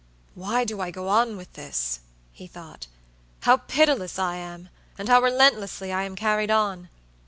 "Why do I go on with this?" he thought; "how pitiless I am, and how relentlessly I am carried on.